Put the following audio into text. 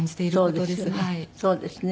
そうですね。